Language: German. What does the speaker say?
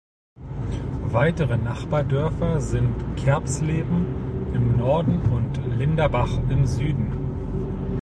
Weitere Nachbardörfer sind Kerspleben im Norden und Linderbach im Süden.